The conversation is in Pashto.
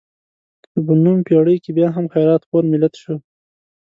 که په نوې پېړۍ کې بیا هم خیرات خور ملت شو.